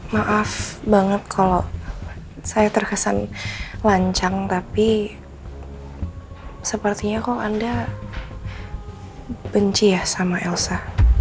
maaf banget kalau saya terkesan lancang tapi sepertinya kok anda benci ya sama elsa